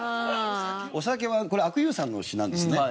お酒はこれ阿久悠さんの詞なんですね。